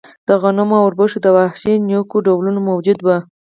د غنمو او اوربشو د وحشي نیکونو ډولونه موجود وو.